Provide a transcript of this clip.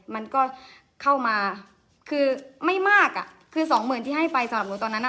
มันก็เข้ามาคือไม่มากอ่ะคือสองหมื่นที่ให้ไปสำหรับหนูตอนนั้นอ่ะ